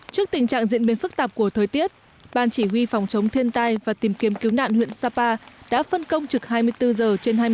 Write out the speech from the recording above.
trước tình trạng diễn biến phức tạp của thời tiết ban chỉ huy phòng chống thiên tai và tìm kiếm cứu nạn huyện sapa đã phân công trực hai mươi bốn giờ trên hai mươi bốn giờ